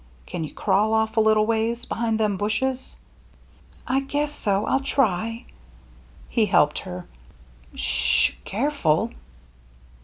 Can you crawl off a little ways — behind them bushes?" " I guess so ; I'll try." He helped her. "S sh — carefiil."